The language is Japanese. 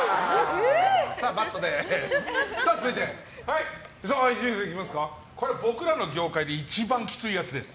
続いて、伊集院さん。これ、僕らの業界で一番きついやつです。